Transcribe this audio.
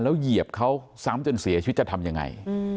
แล้วเหยียบเขาซ้ำจนเสียชีวิตจะทำยังไง